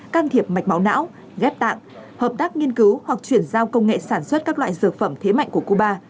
can thiệp mạch máu não ghép tạng hợp tác nghiên cứu hoặc chuyển giao công nghệ sản xuất các loại dược phẩm thế mạnh của cuba